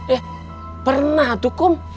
eh pernah tuh kum